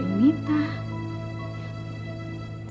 tuh dengerin kata mama ayo